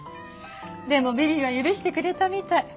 でもビビは許してくれたみたい。